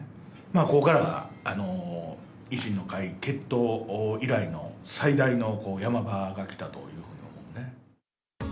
ここからが維新の会結党以来の最大のヤマ場が来たというふうに思うね。